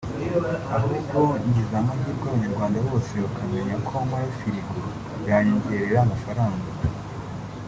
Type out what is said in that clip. Ahubwo ngize amahirwe abanyarwanda bose bakamenya ko nkora firigo byanyongerera amafaranga”